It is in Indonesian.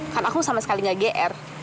kan aku sama sekali gak gr